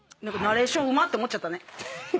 ナレーションうまっ！って思っちゃったね。